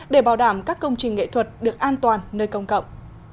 để bảo đảm các công trình nghệ thuật được an toàn nơi công cộng